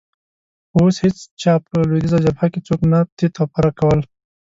خو اوس هېڅ چا په لوېدیځه جبهه کې څوک نه تیت او پرک کول.